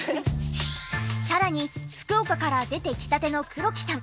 さらに福岡から出てきたての黒木さん